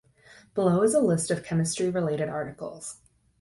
Below is a list of chemistry-related articles.